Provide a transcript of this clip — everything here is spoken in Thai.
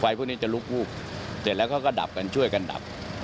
พวกนี้จะลุกวูบเสร็จแล้วเขาก็ดับกันช่วยกันดับ